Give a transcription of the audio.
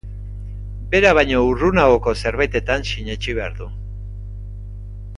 Bera baino urrunagoko zerbaitetan sinetsi behar du.